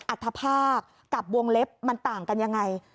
อัฐภาคกับวงเล็บมันต่างกันยังไง